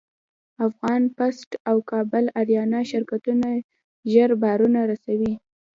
افغان پسټ او کابل اریانا شرکتونه زر بارونه رسوي.